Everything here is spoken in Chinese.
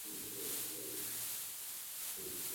伦永亮官方网站